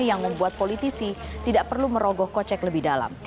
yang membuat politisi tidak perlu merogoh kocek lebih dalam